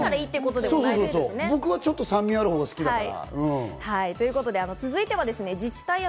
僕はちょっと酸味があるほうが好きだから。